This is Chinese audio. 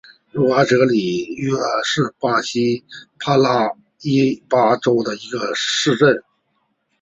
茹阿泽里纽是巴西帕拉伊巴州的一个市镇。